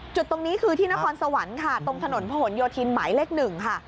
จุดตรงนี้คือที่นครสวรรค์ค่ะตรงถนนผนโยธินหมายเลข๑ค่ะ